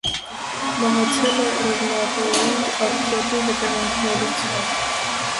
Մահացել է ռևմատոիդ արթրիտի հետևանքներից։